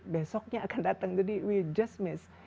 besoknya akan datang jadi we just miss